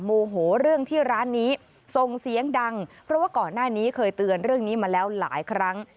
โมโหเรื่องที่ร้านนี้ส่งเสียงดังเพราะว่าก่อนหน้านี้เคยเตือนเรื่องนี้มาแล้วหลายครั้ง